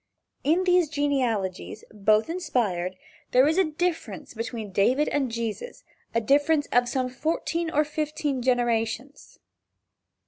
In these genealogies both inspired there is a difference between David and Jesus, a difference of some fourteen or fifteen generations.